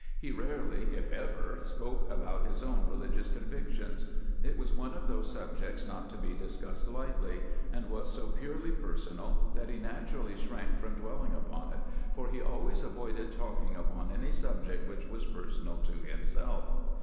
He rarely, if ever, spoke about his own religious convictions. It was one of those subjects not to be discussed lightly, and was so purely personal that he naturally shrank from dwelling upon it, for he always avoided talking upon any subject which was personal to himself.